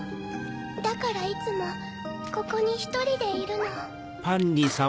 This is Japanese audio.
だからいつもここにひとりでいるの。